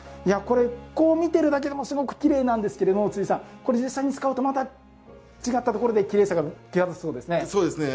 こう見ているだけでもすごくきれいなんですけれどもさんこれ実際に使うとまた違ったところできれいさが際立つそうですね。